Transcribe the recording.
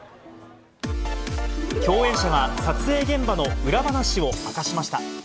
共演者が、撮影現場の裏話を明かしました。